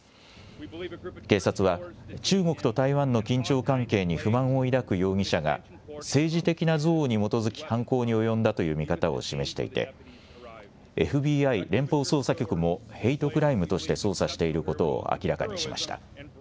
警察は中国と台湾の緊張関係に不満を抱く容疑者が政治的な憎悪に基づき犯行に及んだという見方を示していてＦＢＩ・連邦捜査局もヘイトクライムとして捜査していることを明らかにしました。